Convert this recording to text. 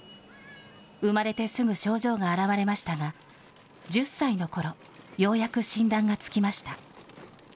生まれてすぐ症状が現れましたが、１０歳のころ、ようやく診断がつきました。